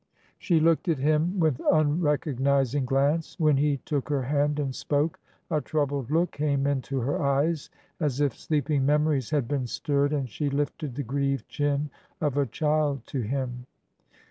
She looked at him with unrecognizing glance. When he took her hand and spoke, a troubled look came into her eyes, as if sleeping memories had been stirred, and she lifted the grieved chin of a child to him.